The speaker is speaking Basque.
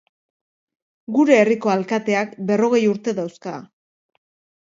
Gure herriko alkateak berrogei urte dauzka.